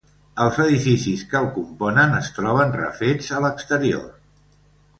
Els edificis que el componen es troben refets a l'exterior.